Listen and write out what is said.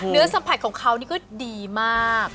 สัมผัสของเขานี่ก็ดีมาก